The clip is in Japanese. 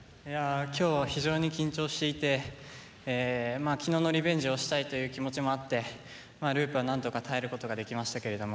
今日非常に緊張していてまあ昨日のリベンジをしたいという気持ちもあってループはなんとか耐えることができましたけれども。